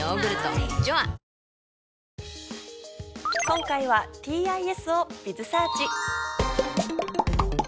今回はＴＩＳを。